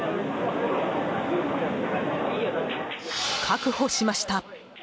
確保しました。